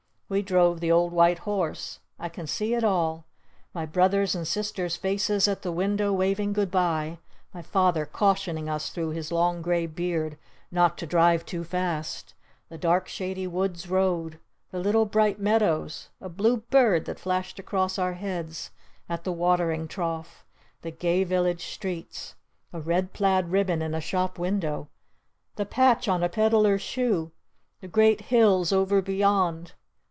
We drove the old white horse! I can see it all! My brothers' and sisters' faces at the window waving good bye! My father cautioning us through his long gray beard not to drive too fast! The dark shady wood's road! The little bright meadows! A blue bird that flashed across our heads at the watering trough! The gay village streets! A red plaid ribbon in a shop window! The patch on a peddler's shoe! The great hills over beyond!